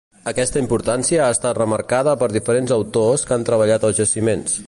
Aquesta importància ha estat remarcada per diferents autors que han treballat als jaciments.